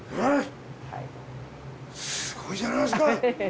すごいじゃないですか！